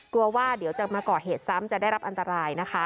กลัวว่าเดี๋ยวจะมาก่อเหตุซ้ำจะได้รับอันตรายนะคะ